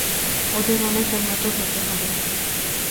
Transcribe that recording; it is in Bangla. ওদের অনেক উন্নত হতে হবে।